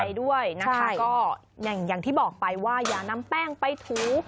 ใครที่กำลังจะไปด้วยนะคะก็อย่างที่บอกไปว่าอย่านำแป้งไปถู